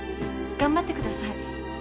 頑張ってください。